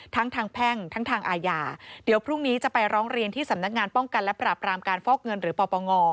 ทั้งทางแพ่งทั้งทางอาญาเดี๋ยวพรุ่งนี้จะไปร้องเรียนที่สำนักงานป้องกันและปราบรามการฟอกเงินหรือปปง